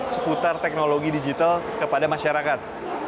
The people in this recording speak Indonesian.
seputar teknologi digital kepada masyarakat